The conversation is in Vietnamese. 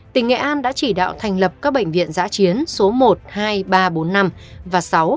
tỉnh nghệ an đã chỉ đạo thành lập các bệnh viện giã chiến số một hai ba bốn năm và sáu